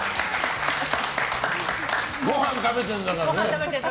ごはん食べてるんだからね。